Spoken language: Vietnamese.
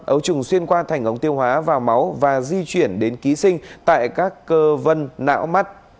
ấu trùng xuyên qua thành ống tiêu hóa và máu và di chuyển đến ký sinh tại các cơ vân não mắt